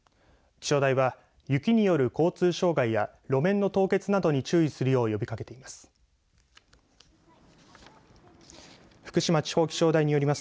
気象台は、雪による交通障害や路面の凍結などに注意するよう呼びかけています。